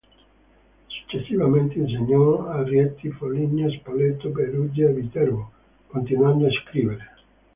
Successivamente insegnò a Rieti, Foligno, Spoleto, Perugia e Viterbo, continuando a scrivere.